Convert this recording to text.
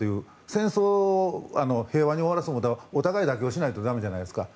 戦争を平和に終わらせるにはお互い妥協しないとだめじゃないですか。